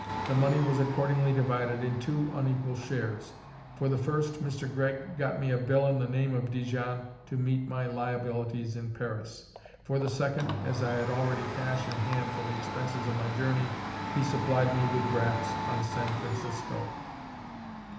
The money was accordingly divided in two unequal shares: for the first, Mr. Gregg got me a bill in the name of Dijon to meet my liabilities in Paris; for the second, as I had already cash in hand for the expenses of my journey, he supplied me with drafts on San Francisco.